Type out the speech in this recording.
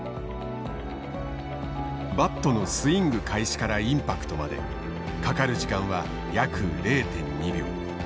バットのスイング開始からインパクトまでかかる時間は約０．２秒。